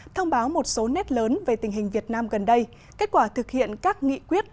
thông báo một số nét lớn về tình hình việt nam gần đây kết quả thực hiện các nghị quyết